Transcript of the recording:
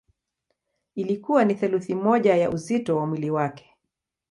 Ilikuwa ni theluthi moja ya uzito wa mwili wake.